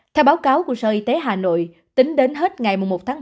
theo báo cáo của sở y tế hà nội tính đến hết ngày một tháng ba